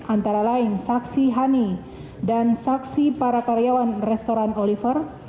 antara lain saksi hani dan saksi para karyawan restoran oliver